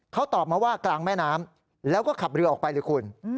เขาตอบมาว่ากลางแม่น้ำแล้วก็ขับเรือออกไปเลยคุณ